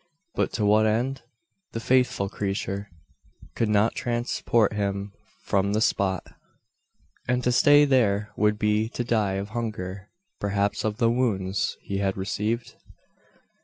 But to what end? The faithful creature could not transport him from the spot; and to stay there would be to die of hunger perhaps of the wounds he had received?